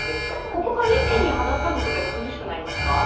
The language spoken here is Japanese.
ここから一気に肌寒く、涼しくなりますか？